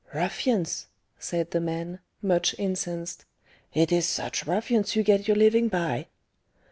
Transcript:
"Ruffians!" said the man, much incensed; "it is such ruffians you get your living by."